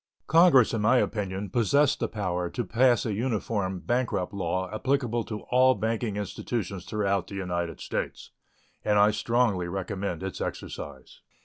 Congress, in my opinion, possess the power to pass a uniform bankrupt law applicable to all banking institutions throughout the United States, and I strongly recommend its exercise.